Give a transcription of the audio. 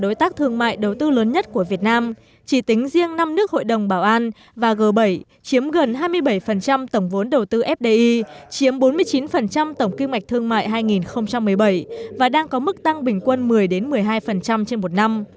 đối tác thương mại đầu tư lớn nhất của việt nam chỉ tính riêng năm nước hội đồng bảo an và g bảy chiếm gần hai mươi bảy tổng vốn đầu tư fdi chiếm bốn mươi chín tổng kim ngạch thương mại hai nghìn một mươi bảy và đang có mức tăng bình quân một mươi một mươi hai trên một năm